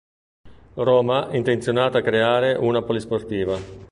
Roma intenzionata a creare una polisportiva.